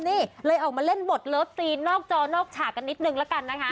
นี่เลยออกมาเล่นบทเลิฟซีนนอกจอนอกฉากกันนิดนึงละกันนะคะ